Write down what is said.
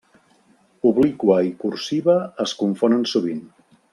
Obliqua i cursiva es confonen sovint.